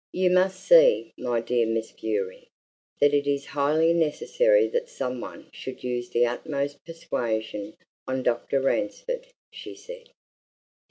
"You must see, my dear Miss Bewery, that it is highly necessary that some one should use the utmost persuasion on Dr. Ransford," she said.